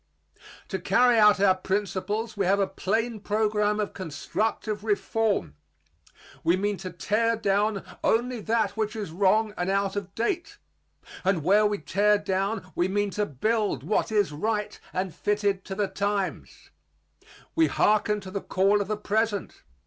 To carry out our principles we have a plain program of constructive reform. We mean to tear down only that which is wrong and out of date; and where we tear down we mean to build what is right and fitted to the times. We harken to the call of the present.